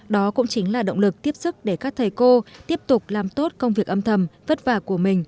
đó cũng chính là động lực tiếp sức để các thầy cô tiếp tục làm tốt công việc âm thầm vất vả của mình